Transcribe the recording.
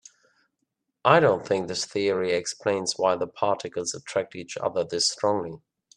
I don't think this theory explains why the particles attract each other this strongly.